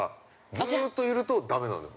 ずうっといると、だめなのよ。